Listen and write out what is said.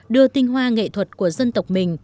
đưa tinh hoa nghệ thuật của dân tộc mình